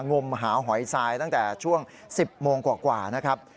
งมหาหอยทรายตั้งแต่ช่วง๑๐โมงกว่านะครับ